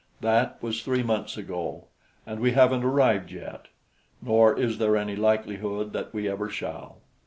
That was three months ago, and we haven't arrived yet; nor is there any likelihood that we ever shall.